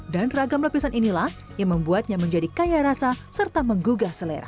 dan ragam lapisan inilah yang membuatnya menjadi kaya rasa serta menggugah selera